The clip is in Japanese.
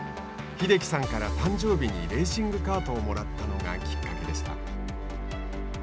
英樹さんから誕生日にレーシングカートをもらったのがきっかけでした。